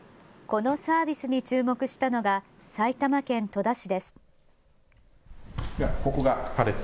このサービスに注目したのが埼玉県戸田市です。